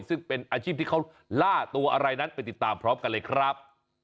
ซึ่งเป็นอาชีพที่เขาล่าตัวอะไรนั้นไปติดตามพร้อมกันเลยครับ